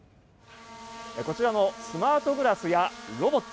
こちらのスマートグラスやロボット